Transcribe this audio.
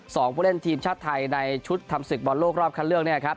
สองผู้เล่นทีมชาติไทยในชุดทำศึกบอลโลกรอบคันเรื่อง